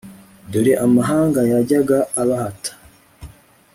dore amahanga yajyaga abahata